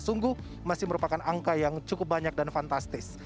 sungguh masih merupakan angka yang cukup banyak dan fantastis